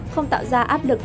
không tạo ra áp lực